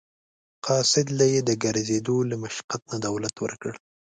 قاصد له یې د ګرځېدو له مشقت نه دولت ورکړ.